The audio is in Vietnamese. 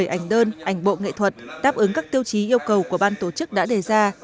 tám trăm một mươi bảy ảnh đơn ảnh bộ nghệ thuật đáp ứng các tiêu chí yêu cầu của ban tổ chức đã đề ra